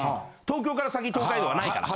東京から先に東海道はないから。